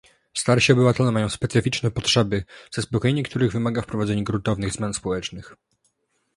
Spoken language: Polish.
Starsi obywatele mają specyficzne potrzeby, zaspokojenie których wymaga wprowadzenia gruntownych zmian społecznych